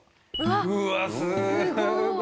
うわっすごい！